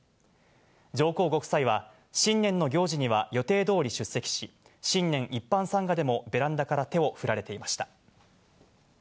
上皇ご夫妻は新年の行事には予定通り出席し、新年一般参賀でもベランダから手を振られていました。